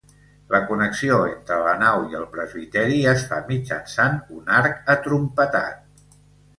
La connexió entre la nau i el presbiteri es fa mitjançant un arc atrompetat.